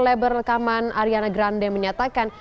labor rekaman ariana grande menyatakan